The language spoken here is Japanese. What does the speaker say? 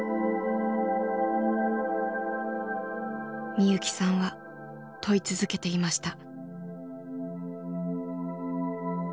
みゆきさんは問い続けていました。